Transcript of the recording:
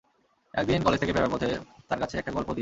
একদিন কলেজ থেকে ফেরার পথে তাঁর কাছে একটা গল্প দিয়ে আসি।